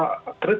kita harus belajar